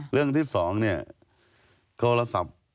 เรื่องที่๒เนี่ยโทรศัพท์